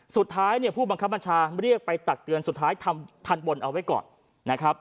สุดท้ายเนี่ยผู้บังคับบัญชาเรียกไปตักเตือนสุดท้ายทำทันบนเอาไว้ก่อนนะครับ